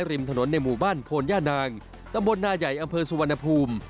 ริมถนนในหมู่บ้านโพนย่านางตำบลนาใหญ่อำเภอสุวรรณภูมิ